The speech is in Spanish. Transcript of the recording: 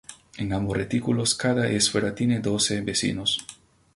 En ambos retículos cada esfera tiene doce vecinos.